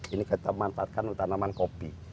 ini kita manfaatkan untuk tanaman kopi